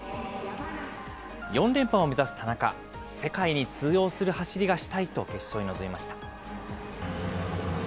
４連覇を目指す田中、世界に通用する走りがしたいと決勝に臨みました。